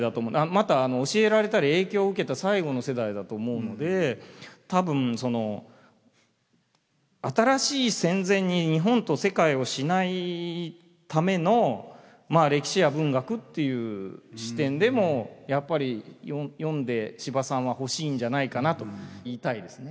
また教えられたり影響を受けた最後の世代だと思うので多分その新しい戦前に日本と世界をしないための歴史や文学っていう視点でもやっぱり読んで司馬さんはほしいんじゃないかなと言いたいですね。